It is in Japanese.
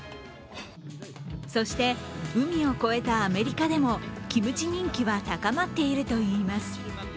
そして、海を越えたアメリカでもキムチ人気は高まっているといいます。